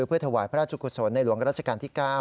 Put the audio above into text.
เพื่อถวายพระราชกุศลในหลวงราชการที่๙